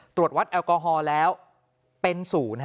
ตรวจวัดแอลกอฮอล์แล้วเป็น๐